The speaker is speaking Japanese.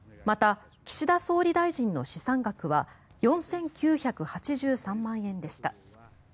また、岸田総理大臣の資産額は４９８３万円でした。